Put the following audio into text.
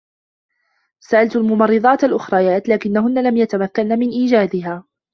سألت الممرّضات الأخريات، لكنّهن لم يتمكّنّ من إيجادها.